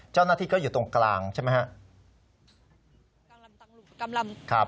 เจ้าหน้าที่ก็อยู่ตรงกลางใช่ไหมครับ